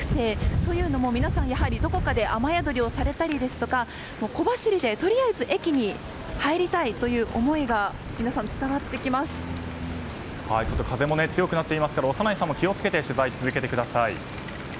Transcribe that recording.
というのも、皆さんやはりどこかで雨宿りをされたり小走りで、とりあえず駅に入りたいという思いが風も強くなってきていますから小山内さんも気を付けて取材を続けてください。